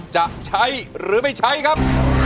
จะใช้หรือไม่ใช้ครับ